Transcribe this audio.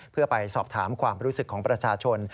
เพื่อไปสอบถามความรู้สึกของประชาชน